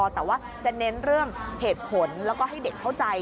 แต่ว่าจะเน้นเรื่องเหตุผลแล้วก็ให้เด็กเข้าใจ